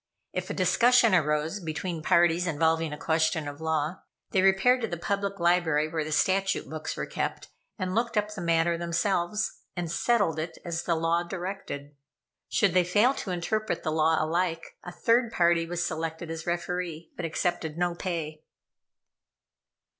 If a discussion arose between parties involving a question of law, they repaired to the Public Library, where the statute books were kept, and looked up the matter themselves, and settled it as the law directed. Should they fail to interpret the law alike, a third party was selected as referee, but accepted no pay.